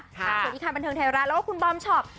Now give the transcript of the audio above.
สวัสดีค่ะบรรเทิงไทยร้านแล้วคุณบอมชอบ